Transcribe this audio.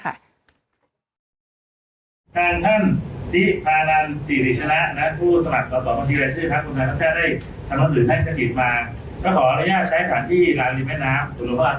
ทางท่านที่พาดันสิริชนะนักภูมิสมัครตอบบ่อความชีวิตชื่อข้างคุณพระรามชาติ